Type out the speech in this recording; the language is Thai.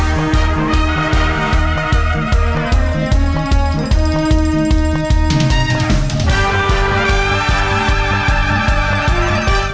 โปรดติดตามตอนต่อไป